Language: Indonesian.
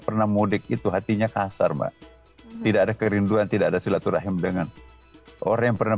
pernah mudik itu hatinya kasar mbak tidak ada kerinduan tidak ada silaturahim dengan orang yang pernah